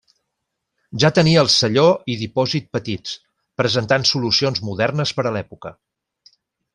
Ja tenia el selló i dipòsit petits, presentant solucions modernes per a l'època.